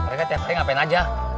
mereka tiap hari ngapain aja